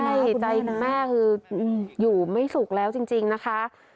ใช่ใจคุณแม่คืออยู่ไม่สุขแล้วจริงนะคะ